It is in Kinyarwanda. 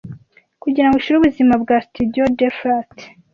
Kugirango ushire ubuzima bwa studio, deflate